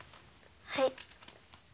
はい。